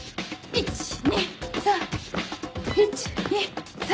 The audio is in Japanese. １・２・３。